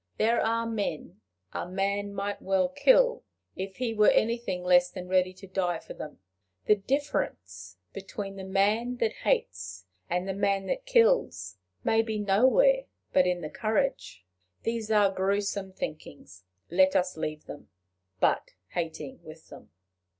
There are men a man might well kill, if he were anything less than ready to die for them. The difference between the man that hates and the man that kills may be nowhere but in the courage. These are grewsome thinkings: let us leave them but hating with them.